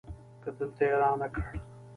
که دلته يي رانه کړ